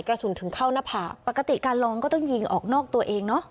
กระสุนถึงเข้าหน้าผากปกติการลองก็ต้องยิงออกนอกตัวเองเนอะ